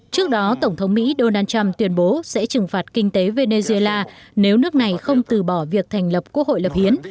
trước đó tổng thống mỹ donald trump tuyên bố sẽ trừng phạt kinh tế venezuela nếu nước này không từ bỏ việc thành lập quốc hội lập hiến